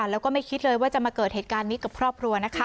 แล้วก็ไม่คิดเลยว่าจะมาเกิดเหตุการณ์นี้กับครอบครัวนะคะ